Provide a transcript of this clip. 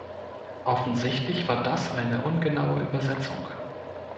Offensichtlich war das eine ungenaue Übersetzung.